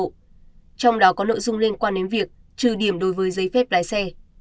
trong đó có nội dung liên quan đến việc trừ điểm đối với giấy phép lái xe